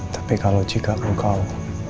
tapi kalau jika engkau